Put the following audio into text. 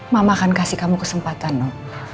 mama akan kasih kamu kesempatan dok